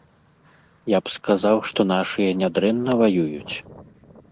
Я б сказаў, што нашыя нядрэнна ваююць.